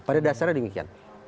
pada dasarnya demikian